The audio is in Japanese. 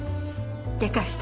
でかした。